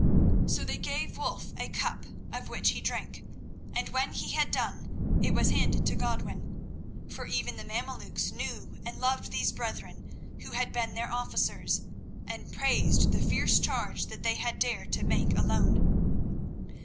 So they gave Wulf a cup of which he drank, and when he had done it was handed to Godwin. For even the Mameluks knew and loved these brethren who had been their officers, and praised the fierce charge that they had dared to make alone.